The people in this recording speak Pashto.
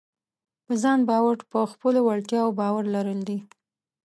په ځان باور په خپلو وړتیاوو باور لرل دي.